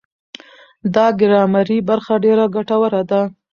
دا ګرامري برخه ډېره ګټوره ده.